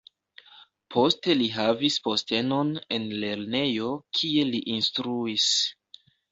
Poste li havis postenon en lernejo, kie li instruis.